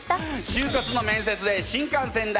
就活の面接で新幹線代